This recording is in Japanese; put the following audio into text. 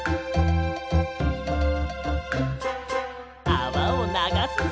あわをながすぞ！